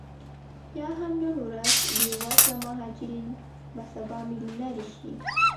یا هم نن ورځ بې وزله مهاجرین به سبا میلیونرې شي